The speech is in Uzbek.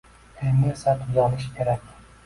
Endi esa tuzalish kerak.